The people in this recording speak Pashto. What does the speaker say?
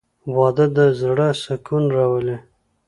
• واده د زړه سکون راولي.